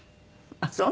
あっそう。